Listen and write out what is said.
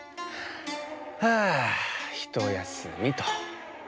はあひとやすみと。